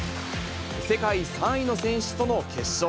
世界３位の選手との決勝。